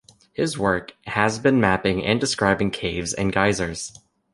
His work has been mapping and describing caves and geysers.